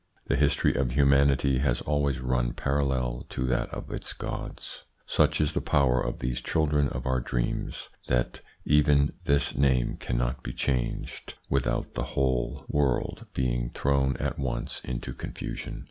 The history of humanity has always run parallel to that of its gods. Such is the power of these children of our dreams that even this name cannot be changed without the whole mis 236 THE PSYCHOLOGY OF PEOPLES world being thrown at once into confusion.